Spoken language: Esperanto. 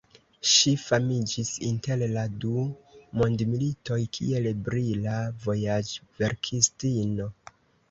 Ŝi famiĝis inter la du mondmilitoj kiel brila vojaĝverkistino.